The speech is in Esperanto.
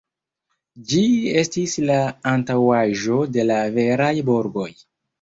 Ĝi estis la antaŭaĵo de la veraj burgoj.